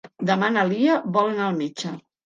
Demà na Lia vol anar al metge.